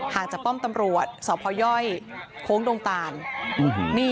จากป้อมตำรวจสพยโค้งดงตาล